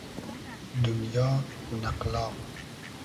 دونیا ، نئقلا